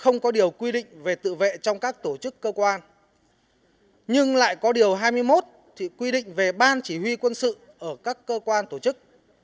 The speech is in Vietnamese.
nhưng lại có điều hai mươi một thì quy định về ban chỉ huy quân sự ở các cơ quan tổ chức